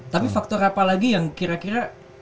tapi faktor apa lagi yang kira kira